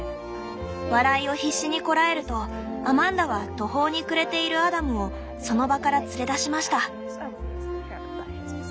「笑いを必死にこらえるとアマンダは途方に暮れているアダムをその場から連れ出しました」。